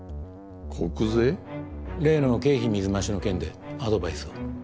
例の経費水増しの件でアドバイスを。